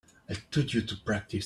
I told you to practice.